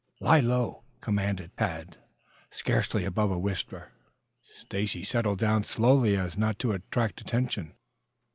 "Lie low!" commanded Tad, scarcely above a whisper. Stacy settled down slowly so as not to attract attention.